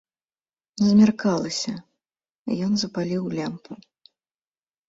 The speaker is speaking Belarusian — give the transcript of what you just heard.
Змяркалася, ён запаліў лямпу.